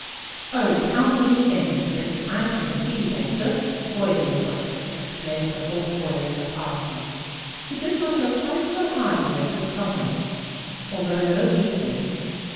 "Oh, count me in, because I can see they're just spoiling for it!" exclaimed the fourth boy in the party, who did not look quite so hardy as his comrades, although no weakling.